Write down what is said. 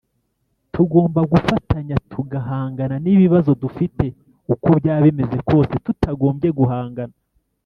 Tugomba gufatanya tugahangana n’ibibazo dufite uko byaba bimeze kose tutagombye guhangana